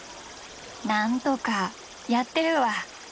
なんとかやってるわ。